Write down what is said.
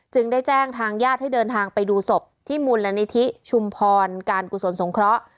ได้แจ้งทางญาติให้เดินทางไปดูศพที่มูลนิธิชุมพรการกุศลสงเคราะห์